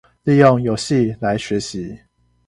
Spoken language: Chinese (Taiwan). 利用遊戲來學習